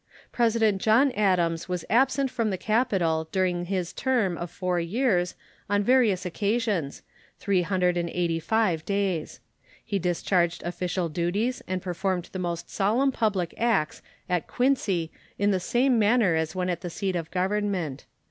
President John Adams was absent from the capital during his term of four years, on various occasions, three hundred and eighty five days. He discharged official duties and performed the most solemn public acts at Quincy in the same manner as when at the seat of Government.